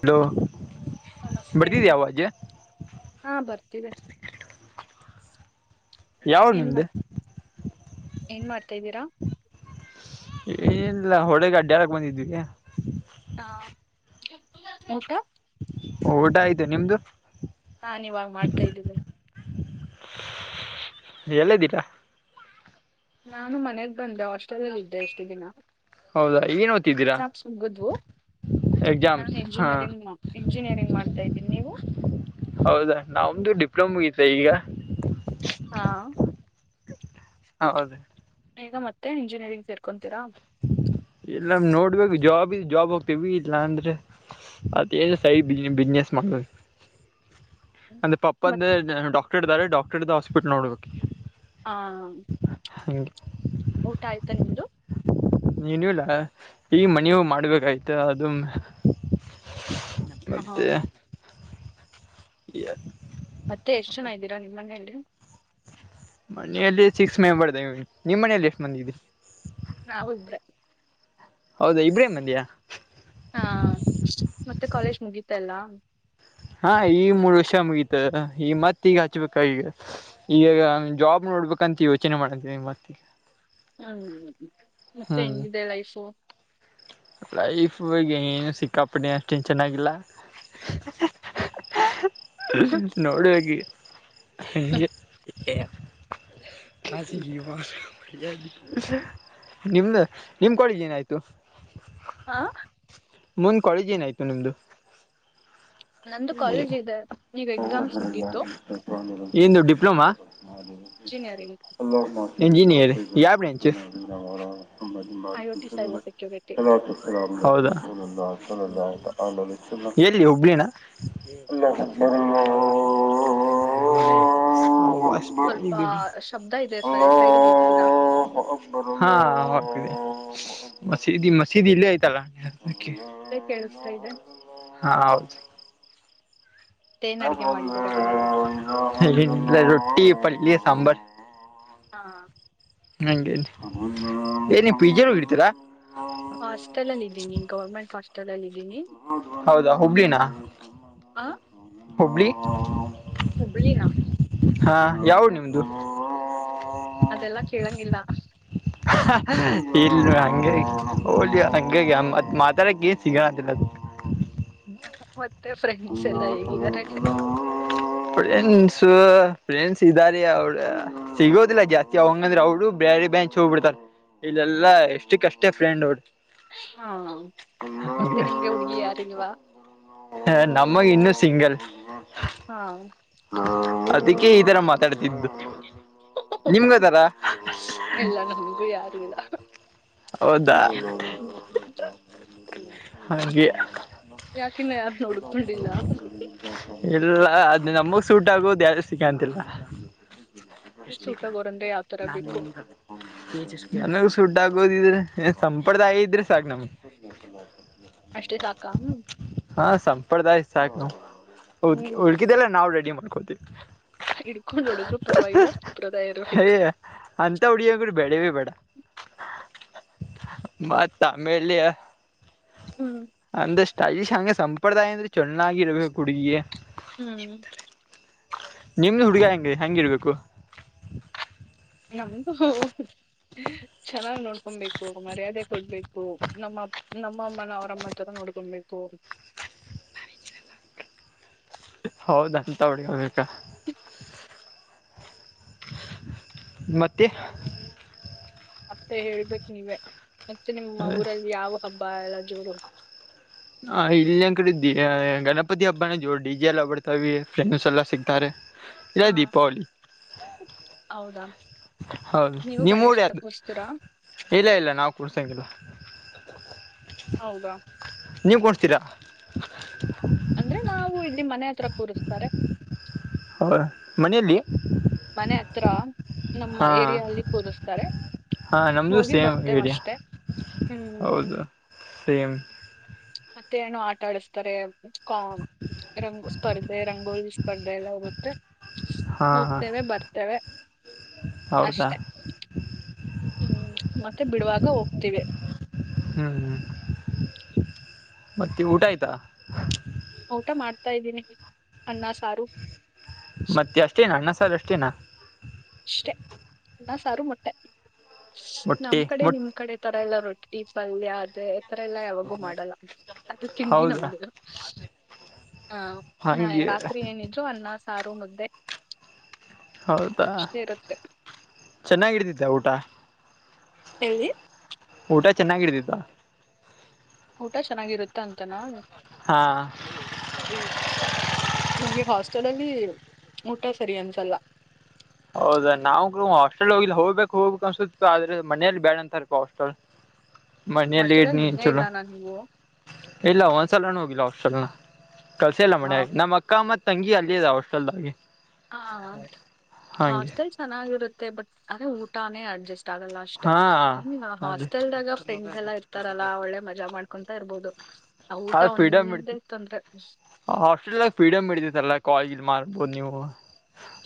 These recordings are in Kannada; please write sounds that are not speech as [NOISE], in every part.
ಹಲೋ ನಮಸ್ತೆ ಬರ್ತಿದಿಯಾ ಆವಾಜ ಹಾ ಬರ್ತೀದೆ ಯಾವೂರ್ ನಿಮ್ದ್ ಏನ್ ಮಾಡ್ತಾ ಇದೀರಾ ಏನಿಲ್ಲ ಹೊಳೆಗ ಅಡ್ಡ್ಡ್ಯಾಕ್ ಬಂದಿದಿವಿ ಹಾ ಊಟ ಊಟ ಆಯ್ತು ನಿಮ್ದು ನಾನೀವಾಗ ಮಾಡ್ತಾ ಇದ್ದೀವಿ ಎಲ್ಲಿದೀಗ ನಾನು ಮನೆಗ್ ಬಂದೆ ಹಾಸ್ಟೆಲಲ್ಲಿದ್ದೆ ಇಷ್ಟು ದಿನ ಹೌದಾ ಏನ್ ಓದ್ತಿದ್ದೀರಾ ಎಕ್ಸಾಮ್ಸ್ ನಾನ್ ಹಾ ಇಂಜಿನಿಯರಿಂಗ್ ಇಂಜಿನಿಯರಿಂಗ್ ಮಾಡ್ತಾ ಇದ್ದೀನಿ ನೀವು ಹೌದಾ ನಮ್ದು ಡಿಪ್ಲೊಮ್ ಮುಗಿತೇ ಈಗ ಹಾ ಹೌದು ಈಗ ಮತ್ತೆ ಇಂಜಿನಿಯರಿಂಗ್ ಸೇರ್ಕೊಂತೀರಾ ಇಲ್ಲ ನೋಡ್ಬೇಕು ಜಾಬ್ ಇದೆ ಜಾಬ್ ಹೋಗ್ತೇವಿ ಇಲ್ಲಾ ಅಂದ್ರೆ [UNINTELLIGIBLE] ಬಿಜನೆಸ್ ಮಾಡ್ಬೇಕ್ ನಂದ್ ಪಪ್ಪಂದ ಮತ್ ಡಾಕ್ಟರ್ ಇದ್ದಾರೆ ಡಾಕ್ಟರ್ದ್ ಹಾಸ್ಪಿಟ್ಲ್ ನೋಡ್ಬೇಕು ಈಗ ಹಾ ಊಟ ಆಯ್ತಾ ನಿಮ್ದು ಇನ್ನು ಇಲ್ಲ ಈಗ ಮನಿಗ್ ಮಾಡ್ಬೇಕಾಯ್ತ ಅದು ಹ ಮತ್ತೆ [UNINTELLIGIBLE] ಮತ್ತೆ ಎಷ್ಟ್ ಜನ ಇದ್ದೀರಾ ನಿಮ್ ಮನೆಯಲ್ಲಿ ಮನೆಯಲ್ಲಿ ಸಿಕ್ಸ್ ಮೆಂಬರ್ ದೇವಿ ನಿಮ್ ಮನೇಲಿ ಎಷ್ಟ್ ಮಂದಿ ಇದಿರಿ ನಾವು ಇಬ್ರೆ ಹೌದಾ ಇಬ್ರೇ ಮಂದಿಯಾ ತ್ತೆಲ್ಲ ಹಾ ಈಗ ಮೂರ್ ವರ್ಷ ಮುಗಿತ ಈಗ್ ಮತ್ ಈಗ ಹಚ್ಬೇಕ ಈಗ ಈಗ ಜಾಬ್ ನೋಡ್ಬೇಕಂತ ಯೋಚನೆ ಮಾಡೀದಿನಿ ಮತ್ತಿಗೆ ಹ್ಮ್ ಮತ್ತೆ ಹೆಂಗಿದೆ ಲೈಫು ಲೈಫ್ ಏನು ಸಿಕ್ಕಾಪಟ್ಟೆ ಅಷ್ಟೇನ್ ಚೆನ್ನಾಗಿಲ್ಲ ನೋಡ್ಬೇಕ್ ಈಗ ಹಂಗೆ [UNINTELLIGIBLE] ನಿಮ್ದ ನಿಮ್ ಕೋಳಿಗೆ ಏನಾಯ್ತು ಹಾ ಮುಂದ್ ಕೋಳಿಗೆ ಏನಾಯ್ತು ನಿಮ್ದು ನಂದು [UNINTELLIGIBLE] ಕಾಲೇಜ್ ಇದೆ ಈಗ ಎಕ್ಸಾಮ್ಸ್ ಮುಗೀತು ಇಂದು ಡಿಪ್ಲೊಮಾ ಇಂಜಿನಿಯರಿಂಗ್ ಇಂಜಿನಿಯರ್ ಯ branch I O T cyber security ಹೌದಾ ಎಲ್ಲಿ ಹುಬ್ಳಿನ ಸ್ವಲ್ಪ ಶಬ್ದ ಇದೆ ಸ [UNINTELLIGIBLE] ಹಲೋ ಸೈಡ್ಗೆ ಇರ್ತೀರಾ [UNINTELLIGIBLE] ಮಸೀದಿ ಮಸೀದಿ ಇಲ್ಲೈತ್ತಲ ಅದೇ ಕೇಳಿಸ್ತಾ ಇದೆ ಹಾ ಹೌದು ಏನ್ ಅಡ್ಗೆ ಮಾಡಿದ್ದಾರೆ ಮನೇಲಿ ಇಲ್ಲಿ ರೊಟ್ಟಿ ಪಲ್ಯ ಸಾಂಬಾರ್ ಹಾ ನಂಗೆನ್ ಏನ ಪಿಜ್ಜ ಇಡ್ತೀರಾ ಹಾಸ್ಟೆಲ್ ಅ ಇದ್ದೀನೀ ಗೌರ್ಮೆಂಟ್ ಹಾಸ್ಟೆಲ್ ಅಲ್ಲ್ದನಿ ಹೌದಾ ಹುಬ್ಳಿನ ಹುಬ್ಳ್ಳಿ ಹುಬ್ಬಳ್ಳಿ ನ ಹಾ ಯಾವೂರು ನಿಮ್ದು ಅದೆಲ್ಲ ಕೇಳಂಗಿಲ್ಲ ಇಲ್ ಹಂಗೆ ಹ ಹಂಗೆತ್ ಮಾತಾಡಕ ಏನ್ ಸಿಗೋಣ ಅಂತಿಲ್ಲ [UNINTELLIGIBLE] ಓತ್ ಒಲೆನ್ ಸ ಫ್ರೆಂಡ್ಸ್ ಇದ್ದಾರಿ ಅವರು ಸಿಗೋದಿಲ್ಲ ಜಾಸ್ತಿ ಅವಂಗ ಅಂದ್ರ ಅವ್ರು ಬ್ಯಾ ರಿ ಬ್ಯಾಂಚ್ ಹೋಗ್ ಬಿಡ್ತಾರ ಇಲ್ಲೆಲ್ಲಾ ಎಷ್ಟಕ್ಕಷ್ಟೇ ಫ್ರೆಂಡ್ ಅವಡ್ ಹಾ ಮತ್ತೆ ನಿಮ್ಗೆ ಹುಡ್ಗಿ ಯಾರಿಲ್ವಾ ಹ ನಮ್ಮಗ್ ಇನ್ನುೂ ಸಿಂಗಲ್ ಹಾ ಅದಕ್ಕೆ ಈ ತರ ಮಾತಾಡ್ತಿದ್ದು ನಿಮ್ಗದಾರ ಎಲ್ಲ ನಮ್ಮ ಕೂಡ ಯಾರಗಲ್ಲಾ ಹೌದಾ ಹ್ಮ್ ಹ್ಮ್ ಹಂಗೆ ಯಾಕಿನ್ನ ಯಾರನು ಹುಡುಕೊಂಡಿಲ್ಲ ಹ ಅದು ನಮಗ್ ಸೂಟ್ ಆಗುವುದು ಯಾರು ಸಿಗತಿಲ್ಲ ಈ ಚೂಟಗೋರ್ ಅಂದ್ರೆ ಯಾವ್ ತರ ಬೇಕು ನಂಗು ಸೂಟ್ ಆಗೋದಿದ್ರೆ ಸಂಪ್ರದಾಯ ಇದ್ರೆ ಸಾಕ್ ನಮ್ ಅಷ್ಟೇ ಸಾಕ ಹಾ ಸಂಪ್ರದಾಯ ಸಾಕು ಹ್ಮ್ ಉಳ್ಕಿದೆಲ್ಲ ನಾವು ರೆಡಿ ಮಾಡ್ಕೋತಿವಿ ಹಿಡ್ಕೊಂಡ್ ಹೂಡಿದ್ರು ಪರವಾಗಿಲ್ಲ ಸುಪ್ರದಾಯ ಇರ್ಬೇಕು ಅಯ್ಯ ಅಂತ ಉಡಿಯಂಗರು ಬೇಡವೆ ಬೇಡ ಮತ್ತ್ ಆಮೇಲೆ ಹ್ಮ್ ಅಂದಷ್ಟ ಐಶ್ ಸಂಪ್ರದಾಯ ಅಂದ್ರೆ ಚೆನ್ನಾಗಿರ್ಬೇಕು ಹುಡುಗಿಯ ಹ್ಮ್ ನಿಮ್ದ ಹುಡುಗಿ ಹೆಂಗೆ ಹಂಗ ಇರ್ಬೇಕು ನಮ್ಮೂದು ಚೆನ್ನಾಗ್ ನೋಡ್ಕೊಬೇಕು ಮರ್ಯಾದೆ ಕೊಡ್ಬೇಕು ನಮ್ಮ ನಮ್ಮ ಅಮ್ಮನ ಅವರಮ್ಮತ್ರರ ನೋಡ್ಕೊಬೇಕು [UNINTELLIGIBLE] [INAUDIBLE] ದಾರ ಹೌದ ಅಂತ ಉಡ್ಕೊಬೇಕಾ. ಮತ್ತೆ. ಮತ್ತೆ ಹೇಳ್ಬೇಕ ನೀವೇ ಮತ್ತೆ ನಿಮ್ಮ ಊರಲ್ಲಿ ಯಾವ ಹಬ್ಬ ಎಲ್ಲ ಜೋರು. ಹ ಇಲ್ಲಂದ ಕಡೆ ದ ಗಣಪತಿ ಹಬ್ಬನ ಜೋ ಡಿ ಜೆ ಎಲ್ಲ ಬರ್ತವಿ ಫ್ರೆಂಡ್ಸ್ ಎಲ್ಲ ಸಿಗ್ತಾರೆ. ಇಲ್ಲ ಹಾ ದೀಪಾವಳಿ ಹೌದಾ. ಹೌದು ನೀವು ಗಣೇಶ ನೀವುಡಿದು ಕೂರ್ಸ್ತೀರಾ ಇಲ್ಲ ಇಲ್ಲ ನಾವವು ಕುಡ್ಸಂಗಿಲ್ಲ. ಹೌದಾ ನೀವ್ ಕೊಡ್ತೀರಾ. ಅಂದ್ರೆ ನಾವು ಇಲ್ಲಿ ಮನೆ ಹತ್ರ ಕೂರುತ್ತಾರೆ. ಹೌದ ಮನೆಯಲ್ಲಿ. ಮನೆ ಹತ್ರ ನಮ್ಮ ಹಾ ಏರಿಯಲ್ಲಿ ಕುರುಸ್ತಾರೆ. ಹಾ ನಮ್ದು ಸೇಮ್ ಏರಿಯಾ ಹ್ಮ್ ಹೌದು ಸೇಮ್. ಮತ್ತೆ ನು ಆಟ ಆಡಿಸತಾರೆ ರಂಗು ಸ್ಪರ್ಧಿ. ಅ ರಂಗೋಲಿ ಸ್ಪರ್ಧೆ ಎಲ್ಲ ಇರುತ್ತೆ. ಹಾ ಹಾ ಹೋಗ್ತೇವೆ ಬರ್ತೇವೆ ಹೌದಾ ಅಷ್ಟೆ. ಹ್ಮ್ ಮತ್ತೆ ಬಿಡುವಾಗ ಹೋಗ್ತಿವಿ. ಹ್ಮ್ ಹ್ಮ್ ಮತ್ತೆ ಊಟ ಆಯ್ತಾ. ಊಟ ಮಾಡ್ತಾ ಇದ್ದೀನಿ. ಅನ್ನ ಸಾರು ಮತ್ತೆ ಅಷ್ಟೇನಾ ಅನ್ನ ಸರ್ ಅಷ್ಟೇನಾ. ಅಷ್ಟೇ ನ ಸಾರು ಮೊಟ್ಟೆ ನಮ್ ಮೊಟ್ಟಿ ಕಡೆ ಮೊಟ್ ನಿಮ್ ಕಡೆ ತರ ಎಲ್ಲ ರೊಟ್ಟಿ ಟ್ಟಿ ಪಲ್ಯ ಅದ ಈಥರ ಎಲ್ಲಾ ಯಾವಾಗೂ ಮಾಡಲ್ಲ ಅದು ತಿಂಡಿ ಹೌದಾ ನಮ್ದು. ಹಾ ನಾ ಹಂಗೆ ರಾತ್ರಿ ಏನ ನಿಜು ಅನ್ನ ಸಾರು ಮುದ್ದೆ. ಹೌದಾ ಇಷ್ಟೇ ಇರುತ್ತೆ ಚೆನ್ನಾಗಿಡತಿದ್ದೆ ಊಟ. ಎಲ್ಲಿ. ಊಟ ಚೆನ್ನಾಗಿಡಿದಿದ್ದ. ಊಟ ಚೆನ್ನಾಗಿರುತ್ತ ಅಂತನಾ. ಹಾ ಹ್ಮ ನಿಗೆ ಹೊ. ಚಡಲ್ಲಿ ಊಟ ಸರಿ ಅನ್ಸಲ್ಲ. ಹೌದಾ ನಾ ಹಾಸ್ಟೆಲ್ ಹೋಗ ಹೋಗ್ಬೇಕು ಹೋಗ್ಬೇಕು ಅನ್ಸ ಆದ್ರೆ ಮನೇಲಿ ಬ್ಯಾಡ ಅಂತ ಇರ್ ಹಾಸ್ಟೆಲ್. ಮನೆಯಲ್ಲಿ ಹಾಸ್ಟೆಲ್ ಇಡ್ ಅಲ್ಲಿ ನೀ ಇದ್ದೇ ಇಲ್ಲ ಚಲೋ ನಾನು ನೀವು ಇಲ್ಲ ಒಂದ್ಸಲ. ಹಾಸ್ಟೆಲ್ ನ ಕಲ್ಸ ಇಲ್ಲ ಮನಾಗಿ ನಮ್ಮ ಅಕ್ಕ ಮತ್ ತಂಗಿ ಅಲ್ಲಿದ ಹಾಸ್ಟೆಲ್ದಾಗಿ. ಹಾ ಹಾಸ್ಟೆಲ್ ಚೆನ್ನಾಗಿರುತ್ತೆ ಬಟ್ ಅದೇ ಊಟಾನೇ ಅಡ್ಜಸ್ಟ್. ಷ್ಟ ಆಗಲ್ಲ ಅಷ್ಟೇ ಹಾ ಹ್ಮ್ ಅದೇ ಹಾಸ್ಟೆಲ್ದಾಗ ಫ್ರೆಂಡ್ಸ್ ಎಲ್ಲಾ ಇರ್ತಾರಲ್ಲಾ ಒಳ್ಳೆ ಮಜಾ ಮಾಡ್ಕೊಂತಾ ಇರ್ಬೋದು. ಊಟ ಒಂದೇ ತೊಂದ್ರೆ. ಹಾಸ್ಟೆಲ್ಗ ಫ್ರೀಡಂ ಇರ್ತಾಯಿತಲ್ಲ ಕಾಲಜ ಮಾರ್. ಆಗ್ಬೋದು ನೀವು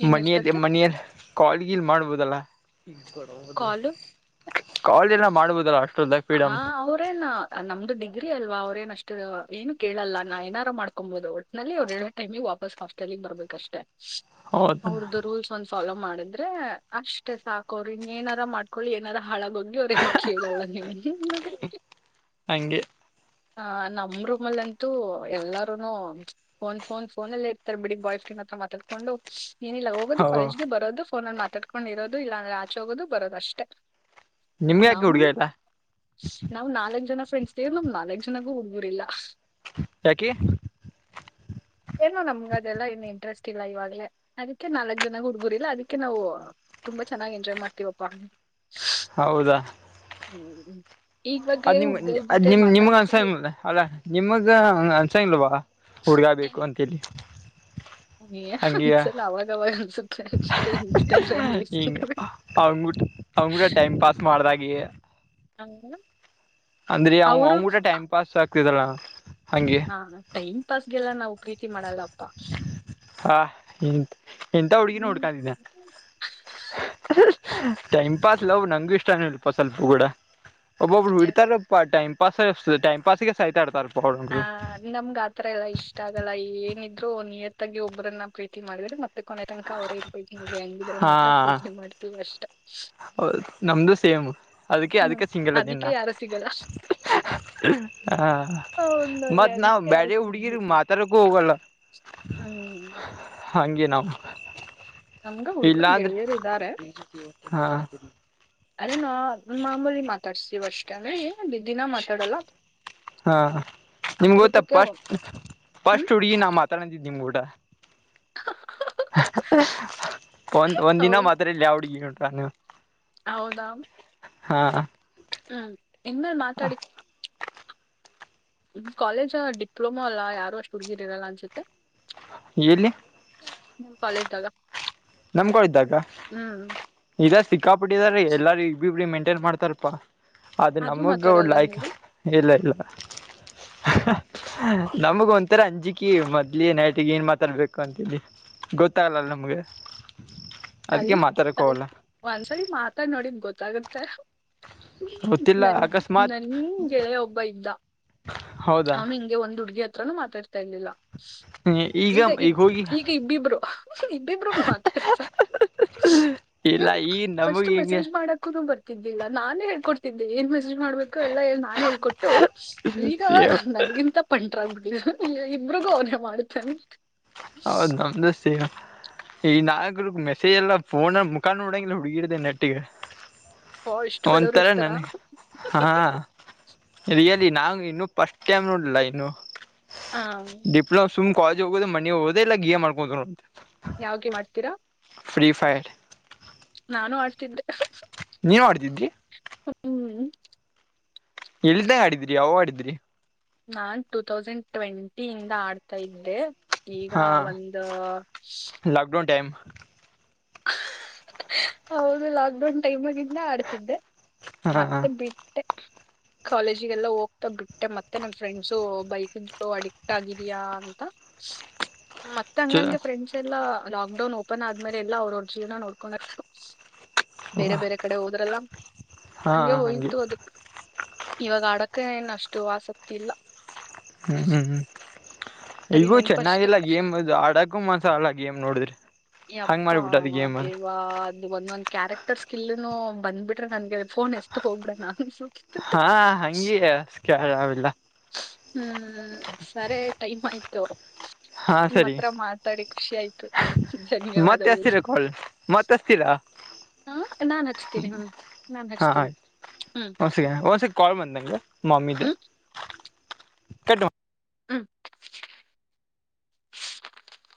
ಏನ್ ಮನೆಯಲ್ಲಿ ಇರ್ತತೆ ಮನೆಯಲ್ಲಿ ಕಾಾಲಗಲ್ ಮಾಡ್ಬೋದಲ್ಲ. ಇ ಕೊಡದ. ಕಾಲು ಕಾಲ್ ಎಲ್ಲ ಮಾಡ್ಬೋದಲ್ಲ. ಹಾಸ್ಟೆಲ್ದಾಗ ಹ ಫ್ರೀಡಮ್ ಅವ್ರೇನ್ ನಮ್ದು ಡಿಗ್ರಿ ಅಲ್ವಾ ಅವ್ರೇನ ಅಷ್ಟು ಏನು ಕೇಳಲ್ಲ ನಾ ಏನಾರು ಮಾಡ್ತ. ಮಾಡ್ಕೊಬೋದು ಒಟ್ಟಿನಲ್ಲಿ ಅವ ಎರ ಟೈಮ ವಾಪಸ್ ಹಾಸ್ಟೆಲ್ ಬರ್ಬೇಕ ಅಷ್ಟೆ ಹೌದ ಅವ್ರದ್ದ ರೂಲ್ಸ್. ಫಾಲೋ ಮಾಡಿದ್ರೆ ಅಷ್ಟೇ ಸಾಕ ಅವರುಿಂಗ ಏನಾರ ಮಾಡ್ಕೊಳ್ಳಿ ಏನಾರ ಹಾಳಾಗೋಗಿ ಅವ್ರು ಹೆಂಗ್ ಕೇಳಲ್ಲ.. ಹಂಗೆ ಹ ಹ ನಮ್ಮ್ ರೂಮ್ ಅಲ್ಲಂತೂ ಎಲ್ಲಾರೂನು ಫೋನ್ ಫೋನ್ ಫೋನಲ್ಲಿ ಇರ್ತಾರೆ ಬಿಡಿಗ್ ಬಾಯ್ ಫ್ರ.. ತ್ರ ಮಾತಾಡ್ಕೊಂಡು.. ಏನಿಲ್ಲ ಹ ಹೋಗೋದು ಕಾಲೇಜ್ಗೆ ಬರೋದು ಫೋನಲ್ಲಿ ಮಾತಾಡ್ಕೊಂಡು ಇರೋದು ಇಲ್ಲ ಅಂದ್ರೆ ಆಚೆ ಹೋಗೋದು ಬರೋದು ಅಷ್ಟೇ.. ನಿಮ್ಗೆ ಯಾಕೆ ನಾವು ಹುಡ್ಗ ಇಲ್ಲ ನಾವ್ ನಾಲ್ಕ ಜನ ಫ್ರೆಂಡ್ಸ್ೇವ ನಮ ನಾ.. [UNINTELLIGIBLE] ಹುಡಗುರಿಲ್ಲ.. ಯಾಕೆ. ಏನೋ ನಮ್ಗ ಅದೆಲ್ಲಾ ಇನ್ನು ಇಂಟ್ರೆಸ್ಟ್ ಇಲ್ಲ ಇವಾಗಲೇ ಅದಕ್ಕೆ ನಾಲಕ್ ಜನಾಗು ಹುಡ್ಗುರು ಇಲ್ಲ ಅದಕ್ಕೆ ನಾವು ತುಂಬಾ ಚೆನ್ನಾಗಿ್ ಎಂಜಾಯ್ ಮಾಡ್ತೀವಪ್ಪಾ ಹೌದಾ ಹ್ಞೂ ಅದ್ ನಿಮ್ ಅದ್ ನಿಮ್ ನಿಮ್ಗ ಮಾತಾಡ್ಕೊಂಡು ಅನ್ಸಾಯಲ್ಲ ಅಲ್ಲ ನಿಮಗ ಅನ್ಸಂಗಲ್ವಾ ಹುಡ್ಗ ಬೇಕು ಅಂತ ಹೇಳಿ ಏ ಆನಸಲ ಆವಾಗ ಆವಾಗ ಅನ್ಸುತ್ತೆ ಇನ್ಸ್ಟಾಗ್ರಾಮ ರಿಲೀಸ್ ನೋಡಿ ಅವರು ಟೈಮ್ ಪಾಸ್ ಮಾಡ್ದಾಗೇ ಹ ಅಂದ್ರೆ ಅವ್ ಊಟ ಟೈಮ್ ಪಾಸ್ ಆಗ್ತದಲ್ಲ.. ಹಾ ಟೈಮ್ ಪಾಸ್ಗೆಲ್ಲ ನಾವು ಪ್ರೀತಿ ಮಾಡಲ್ಲಪ್ಪಾ.. ಹಾ ಎ ಇ ಎಂತ ಹುಗಿನೇ ಹುಡುಕತಿದ್ದೆ ಟೈಮ್ ಪಾಸ್ ಲವ್ ನಂಗು ಇಷ್ಟನ ಇಲ್ಪ ಸ್ವಪ ಕೂಡ ಒಬ್ಬೊಬ್ರು ಇಡ್ತಾರಪ್ಪಾ ಟೈಮ್ ಪಸ್ತ್ ಟೈಮ ಪಾಸ್ಗೆ ಸಹತಾಡ್ತಾರೆ ಹ ನಮ್ಗ ಆತ್ರ ಎಲ್ಲಾ ಇಷ್ಟ ಆಗಲ್ಲ ಏ ಇಬ್ಬರು ನಿಯತ್ಗಿ ಒಬ್ಬರನ್ನ ಪ್ರೀತಿ ಮಾಡಿದ್ರಿ ಮತ್ತ ಮತ್ತ ಕೊನೆ ತನಕ ಅವ್ರೇನ್ ಬ ನೋಡ್ರಿ ಹಂಗಿದ್ರ ಹಾ ಮಾತ್ರ ಪೂಜೇ ಮಾಡ್ತೀವಿ ಅಷ್ಟ ನಮದುು ಸೇಮ್ ಅದಕ್ಕೆ ಹ್ಮ್ ಅದಕ್ಕೆ ಸಿಂಗಲ್ ಅದಿನ ಅದಿಕ್ಕೆ ನಾನು ಯಾರು ಸಿಗಲ್ಲ ಹ ಹೌದೌದ್ರಿ ಮತ್ತ್ ನಾವ್ ಅದಕ್ಕೆ ಯಾರು ಬೇರೆೆ ಸಿಗಲ್ಲ ಹುಡ್ಗಿರ್ ಮಾತಾಡಕು ಹೋಗಲ್ಲ ಹ್ಮ್ ಹಂಗೇ ನಾವು ನಮ್ಗ ಇಲ್ಲಾ ಹುಡ್ಗರು ಅಂದ್ರೆ ಗೆಳೆಯರ್ ಇದಾರೆ ಹಾ ಅದೇ ನಾ ಮಾಮೂಲಿ ಮಾತಾಡ್ಸೀವ ಅಷ್ಟೇ ದಿನ ಮಾತಾಡಲ್ಲ ಹಾ ನಿಮ್ ಗೊತ್ತ ಅಪರೂಪಕ್ಕೆ ಫಸ್ಟ್ ಹ್ಮ್ ಫಸ್ಟ್ ಹುಡುಗಿ ನಾವು ಮಾತಾಡದಿದ್ ನಿಮ್ ಗುಟೇ ಒಂದ ಒಂದ ದಿನ ಹೌದ್ ಮಾತ್ರ ಇಲ್ಲ ಹುಡ್ಗಿ ನೋಡ ವ ಹೌದಾ ಹಾ ಹ್ಮ್ ಇನ್ಮೇಲೆ ಮಾತಾಡಿ ್ ಕಾಲೇಜ್ ಡಿಪ್ಲೊಮಾ ಅಲ್ಲ ಯಾರು ಅಷ್ಟು ಹುಡುಗಿ ಇರಲ್ಲ ಅನ್ಸುತ್ತೆ ಎಲ್ಲಿ ಕಾಲೇಜ್್ದಾಗ ನಮ್ ಕಾಲೇಜ್ದಾಗ ಇದ ಸಿಕ್ಕಾ ಬಿಿಟ್ಟಿದಾರೀ ಎಲ್ಲಾರೂ ಇಬ್ಬಿಬ್ಬರನ ಮೆಂಟ್ ಏನ್ ಮಾಡ್ತಾರಪ್ಪಾ ಅದು ಆದ್ರೂ ನಮಗ್ ಒ ಮಾತಾಡಲ್ಲ ಲೈಕ್ ನೀವು ಇಲ್ಲ ಇಲ್ಲ ನಮಗ ಒಂಥರ ಅಂಜಿಕೆ ಅಾಕಿ ಮೊದ್ಲಿ ನೈಟಿಗೆ ಏನ್ ಮಾತಾಡ್ಬೇಕು ಅಂತಿ ಗೊತ್ತಾಗಲಲ್ಲ ನಮ್ಗೆ ಕಲ ಅದಕ್ಕೆ ಮಾತಾಡಕ್ ಕಲ ಹೋಗಲ್ಲ ಒಂದ್ಸರಿ ಮಾತಾಡ್ ನೋಡಿದ್ ಗೊತ್ತಾಗುತ್ತೆ ಗೊತ್ತಿಲ್ಲ ನನ್ ಅಕಸ್ಮಾತ್ ನನ್ ಗೆಳೆಯ ಒಬ್ಬ ಇದ್ದ ಹೌದಾ ಅವ್ನು ಹಿಂಗೆ ಒಂದು್ುಗಿ ಹತ್ರಾನು ಮಾತಾಡ್ತ ರಿಲಿಲ್ಲ ಈಗ ಈಗ ಇಬ್ಬಿಬ್ರು ಇಬ್ಬಿಬ್ರು ಮಾತಾಡ್ತ ಇಲ್ಲ ಈಗ ನಮಗ ಫಸ್ಟ್ ಹಿಂಗೆ ಮೆಸೇಜ್ ಮಾಡಕುನು ಬರ್ತಿದ್ದಿಲ್ಲ ನಾನೇ ಹೇಳಕೊಡ್ತಿದ್ದೆ ಏನ್ ಮೇಸ್ ಮಾಡ್ಬೇಕು ಎಲ್ಲ ನಾನ್ ಹೇಳ್ಕೊಟ್ಟು ಈಗ ಸೇವ್ ನನಗಿಂತ ಪಂಟ್ ಇಬ್ರಿಗೂ ಅವನೇ ಮಾಡತೇನೆ ಹೌದು ನಮ್ದ ಚೀ ಈ ನಾಕು ಮೆಸೇಜ್ ಎಲ್ಲ ಫೋನ ಮುಕ್ಕಾ ನೋಡುಗಲ್ಲ ಹುಡಗಿರದು ನೆಟ್ಗೆ ಅಪ್ಪಾ ಇಷ್ಟು ಒಳ್ಳೆವ್ರು ಒಂಥರ ಇರ್ತಾರ ನನಗೆ ಹಾ ರಿಯಲಿ ನಾ ಇನ್ನು ಫಸ್ಟ್ ಟೈಮ್ ನೋಡಿಲ್ಲ ಇನ್ನು ಹಾ ಡಿಪ್ಲೊಮ ಸುಮ್ ಕಾಲೇಜ ಹೋಗದು ಮನೆ ಹೋಗದು ಇಲ್ಲ ಗೇಮ್ ಆಡ್ಕೋತ್ ಅಂತೆ ಯಾವ ಗೆಮ್ ಆಡ್ತುತಿರಾ ಫ್ರೀಫಾಯರ್ ನಾನು ಆಡ್ತಿದ್ದೆ. ನೀವ್ ಆಡುತ್ತಿದ್ದಿ. ಹ್ಮ್ ಇಲ್ದೇ ಆಡಿದ್ರಿ ಯವಾಗ ಆಡಿದ್ರಿ - ನಾನ್ ಟೂ ತೌಸಂಡ್ ಟ್ವೆಂಟಿ ಇಂದ ಆಡ್ತಾ ಇದ್ದೆ. ಈಗ ಹಾ ಒಂದ ಲಾಕ್ಡೌನ್ ಟೈಮ್ ಹೌದು ಲಾಕ್ಡೌನ್ ಟೈಮ್ಗಿಂದ ಆಡ್ತಿದ್ದೆ. ಹಾ ಹಾ ಮತ್ತೆ ಬಿಟ್ಟೆ. ಕಾಲೇಜಿಗೆಲ್ಲ ಹೋಗ್ತಾ ಬಿಟ್ಟೆ ಮತ್ತೆ ನನ್ ಫ್ರೆಂಡ್ಸು ಬೈಕ್ ಅಡಿಕ್ಟ್ ಆಗಿದ್ಯಾಾ ಅಂತ ಹ ಮತ್ತ ಚ ಹಂಗಂಗೆ ಫ್ರೆಂಡ್ಸ್ ಎಲ್ಲಾ ಲಾಕ್ ಡೌನ್ ಓಪನ್ ಆದ್ಮೇಲೆ ಎಲ್ಲ ಅವ್ರ ಅವ್ರ ಜೀವನ ನೋಡ್ಕೊಂಡಾರ. ಬೇರೆ ಬೇರೆ ಕಡೆ ಹೋದ್ರಲ್ಲ ಹಂಗೆ ಹೋಯ್ತು ಅದಕ್ ಇವಾಗ ಆಡಕೆ ಅಷ್ಟು ಆಸಕ್ತಿ ಇಲ್ಲ. ಹ್ಮ್ ಹ್ಮ್ ಹ್ಮ್ ಬರೀ ಈಗೂ ನೆನಪಷ್ಟೇ ಚೆನ್ನಾಗಿಲ್ಲ ಗೇಮ್ ಆಡಕು ಮನಸಾಗಲ್ಲ ಗೇಮ್ ನೋಡಿದ್ರಿ. ಯಪ್ಪಾ ದೇವಾ [INAUDIBLE] ನನ್ ಕ್ಯಾರೆಕ್ಟರ್ ಸ್ಕಿಲ್ನು ಬಂದ್ಬಿಟ್ರೆ ನನ್ಗೆ ಫೋನ್ ಎಷ್ಟತ್ ಹೋಗ್ಬಿಡನ ಅನ್ಸು. ಹಾ ಹಂಗೆ ಸ್ಕೆಲಾವ್ ಯಾವಿಲ್ಲ. ಹ್ಮ್ ಸರಿ ಟೈಮ್ ಆಯ್ತು ಹಾ ನಿಮ್ಮ್ ಸರಿ ಹತ್ರ ಮಾತಾಡಿ. ಖುಷಿ ಆಯ್ತು. ಮತ್ತೆ ಹಚ್ಚಿತೀರಾ ಕಾಲ್ ಮತ್ತೆ ಹಚ್ಚತ್ತೀರ ಹಾ ನಾನ್ ಹಚ್ತೇನಿ ಹ್ಮ ನಾನ್ ಹಚ್ತೀನಿ. ಹ್ಮ್ ಒಂದ್ ಸೆಕೆಂಡ್ ಹೊಸ ಕಾಲ್ ಬಂದಂಗೆ ಮಮ್ಮಿದೇ ಹ್ಮ್ ಹ್ಮ್ [UNINTELLIGIBLE]